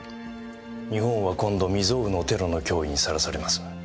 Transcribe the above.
日本は今度未曾有のテロの脅威にさらされます。